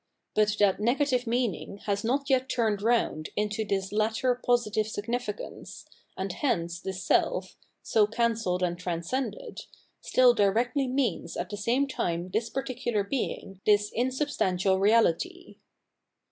But that negative meaning has not yet turned round into this latter positive significance, and hence the self, so cancelled and transcended, still directly means at the same time this particular being, this insubstantial reality.